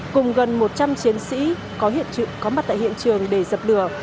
cùng gần một trăm linh chiến sĩ có mặt tại hiện trường để dập lửa